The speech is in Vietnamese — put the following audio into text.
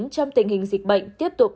trong tình hình dịch bệnh tiếp tục